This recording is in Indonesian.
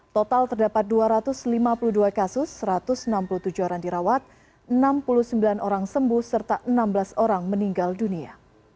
total terdapat dua ratus lima puluh dua kasus satu ratus enam puluh tujuh orang dirawat enam puluh sembilan orang sembuh serta enam belas orang meninggal dunia